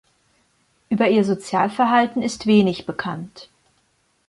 Über ihr Sozialverhalten ist wenig bekannt.